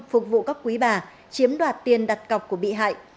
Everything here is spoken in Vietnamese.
phục vụ các quý bà chiếm đoạt tiền đặt cọc của bị hại